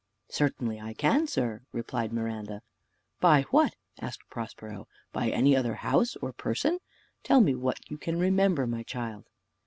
"Certainly I can, sir," replied Miranda. "By what?" asked Prospero; "by any other house or person? Tell me what you can remember, my child."